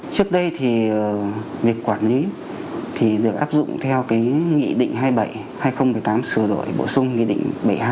trước đây thì việc quản lý thì được áp dụng theo cái nghị định hai mươi bảy hai nghìn một mươi tám sửa đổi bổ sung nghị định bảy mươi hai hai nghìn một mươi ba